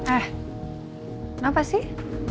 eh kenapa sih